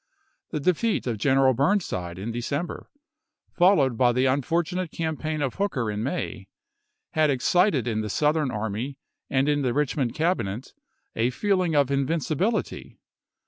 The defeat of Gen eral Burnside in December, followed by the unfor tunate campaign of Hooker in May, had excited in the Southern army and in the Eichmond Cabinet a feeling of invincibility.